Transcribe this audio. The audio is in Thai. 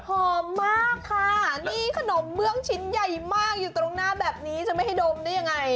หอมมากค่ะนี่ขนมเมืองชิ้นใหญ่มากอยู่ตรงหน้าแบบนี้จะไม่ให้ดมได้ยังไง